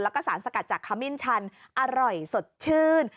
แล้วก็สารสกัดจากขมิ้นชันอร่อยสดชื่น